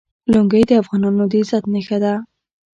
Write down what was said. لنګۍ د افغانانو د عزت نښه ده.